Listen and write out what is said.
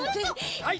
はい！